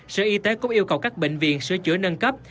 sở y tế cũng yêu cầu các bệnh viện sửa chữa nâng cấp